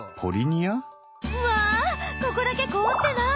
うわここだけ凍ってない！